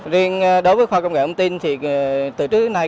riêng đối với khoa công nghệ ống tin thì từ trước đến nay